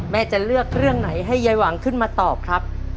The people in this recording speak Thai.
จะเลือกเรื่องไหนให้ยายหวังขึ้นมาตอบครับ